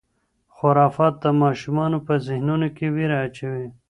خرافات د ماشومانو په ذهنونو کې وېره اچوي.